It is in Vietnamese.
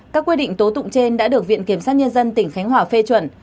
các quy định tố tụng trên đã được viện kiểm sát nhân dân tỉnh khánh hòa phê chuẩn